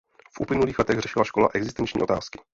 V uplynulých letech řešila škola existenční otázky.